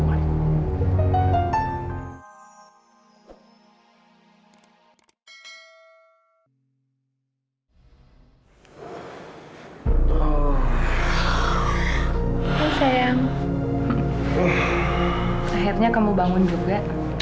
akhirnya kamu bangun juga